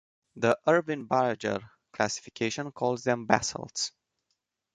The Irvine-Barager classification calls them basalts.